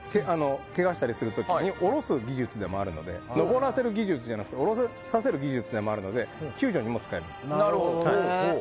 けがしたりする時に下ろす技術でもあるので登らせる技術じゃなくて下ろさせる技術でもあるので救助にも使えます。